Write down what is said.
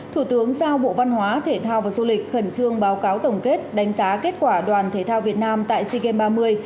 thủ tướng giao bộ văn hóa thể thao và du lịch khẩn trương báo cáo tổng kết đánh giá kết quả đoàn thể thao việt nam tại sea games ba mươi